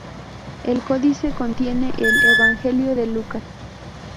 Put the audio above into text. El códice contiene el "Evangelio de Lucas".